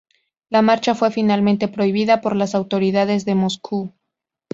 La marcha fue finalmente prohibida por las autoridades de Moscú.